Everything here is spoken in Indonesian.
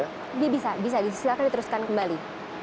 ya bisa silahkan diteruskan kembali